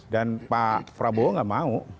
dan pak prabowo tidak mau